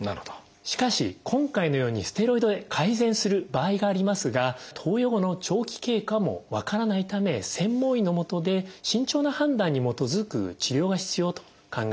しかし今回のようにステロイドで改善する場合がありますが投与後の長期経過も分からないため専門医の下で慎重な判断に基づく治療が必要と考えます。